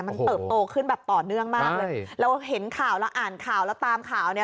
มันเติบโตขึ้นแบบต่อเนื่องมากเลยเราเห็นข่าวเราอ่านข่าวแล้วตามข่าวเนี่ย